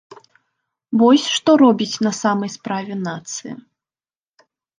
Вось што робіць на самай справе нацыя.